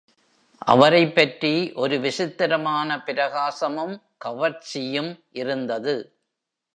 அவரைப் பற்றி ஒரு விசித்திரமான பிரகாசமும், கவர்ச்சியும் இருந்தது.